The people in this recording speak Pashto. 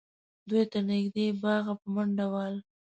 دوی تر نږدې باغه په منډه ول